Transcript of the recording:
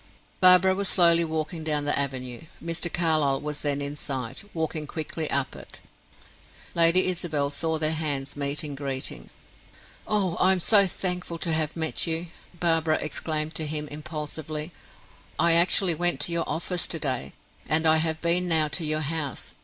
Barbara was slowly walking down the avenue, Mr. Carlyle was then in sight, walking quickly up it. Lady Isabel saw their hands meet in greeting. "Oh, I am so thankful to have met you!" Barbara exclaimed to him, impulsively. "I actually went to your office to day, and I have been now to your house.